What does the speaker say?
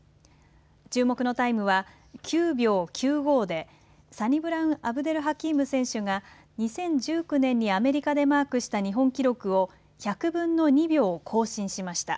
注目のタイムは９秒９５でサニブラウンアブデル・ハキーム選手が２０１９年にアメリカでマークした日本記録を１００分の２秒更新しました。